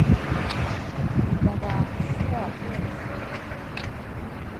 i-tara suapesu.